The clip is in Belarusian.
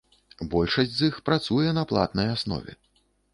Большасць з іх працуе на платнай аснове.